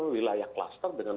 wilayah klaster dengan